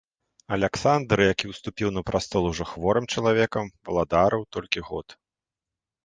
Аляксандр, які ўступіў на прастол ужо хворым чалавекам, валадарыў толькі год.